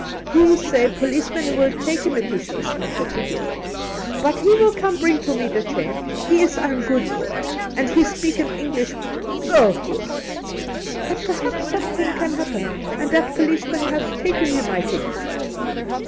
He say policeman will take him if he shows not the ticket. But he will come bring to me the change. He is ein goot boy, and he speaken ^English feul goot ; but perhaps something can happen, and that policemaii haf take him, I think.'